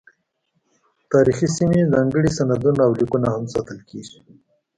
تاریخي سیمې، ځانګړي سندونه او لیکونه هم ساتل کیږي.